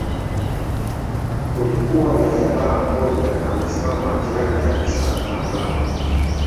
Kulikuwa na jamaa mmoja amesimama jirani kabisa na mlango